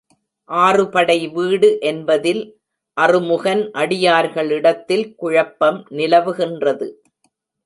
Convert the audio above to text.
ஆறுபடை வீடு என்பதில் அறுமுகன் அடியார்களிடத்தில் குழப்பம் நிலவுகின்றது.